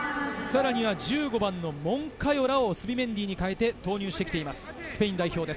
１５番のモンカヨラをスビメンディに代えて投入してきています。